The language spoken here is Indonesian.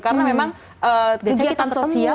karena memang kegiatan sosial